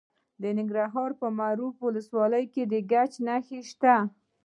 د کندهار په معروف کې د ګچ نښې شته.